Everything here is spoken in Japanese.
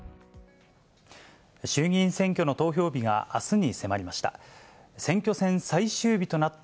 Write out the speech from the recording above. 衆議院選挙の投票日が、あすに迫りました。